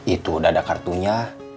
itu udah ada kartunya